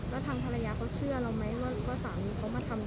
แล้วทางภรรยาเขาเชื่อเราไหมว่าสามีเขามาทำ